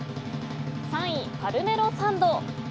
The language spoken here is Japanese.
３位、パルメロサンド。